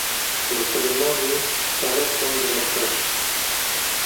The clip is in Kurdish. Li Silêmaniyê xelat dan Demirtaş.